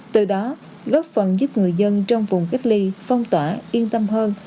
từ đó góp phần giúp người dân trong vùng cách ly phong tỏa yên tâm hơn